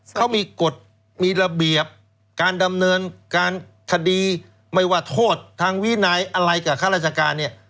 เขามีกฎมีระเบียบการดำเนินการคดีไม่ว่าโทษทางวินัยอะไรกับข้าราชการเนี่ย